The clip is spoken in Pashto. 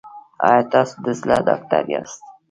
ایا تاسو د زړه ډاکټر یاست؟